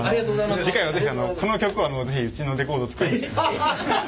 次回は是非この曲をうちのレコードを作りに。